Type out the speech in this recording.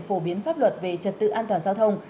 phổ biến pháp luật về trật tự an toàn giao thông